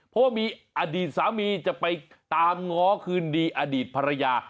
เพราะว่ามีอดีตสามีจะไปตามง้อคืนดีอดีตภรรยา